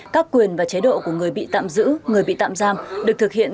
các quyền và chế độ của người bị tạm giữ người bị tạm giam được thực hiện